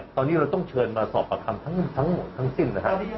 ตอนนี้เราต้องเชิญมาสอบประคำทั้งหมดทั้งสิ้นนะครับ